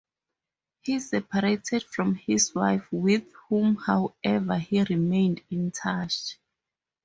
He separated from his wife, with whom, however, he remained in touch.